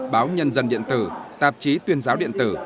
báo nhân dân điện tử tạp chí tuyên giáo điện tử